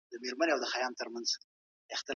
خو چاپېریال په دې لیکنه کې رول لري.